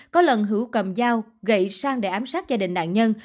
có lần hữu cầm dao gậy sang để ám sát gia đình nạn nhân